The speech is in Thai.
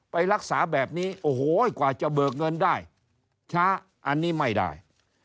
ไปรักษาแบบนี้โอ้โหกว่าจะเบิกเงินได้ช้าอันนี้ไม่ได้